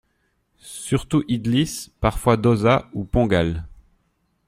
Surtout idlis, parfois dosa ou pongal.